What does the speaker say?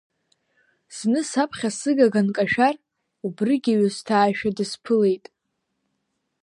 Зны саԥхьа сыгага нкашәар, убригьы ҩысҭаашәа дысԥылеит.